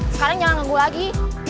sekarang jangan ganggu lagi